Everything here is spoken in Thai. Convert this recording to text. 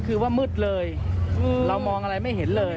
คือว่ามืดเลยเรามองอะไรไม่เห็นเลย